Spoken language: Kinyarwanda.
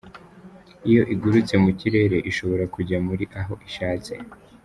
Iyo igurutse mu kirere ishobora kujya muri aho ishatse.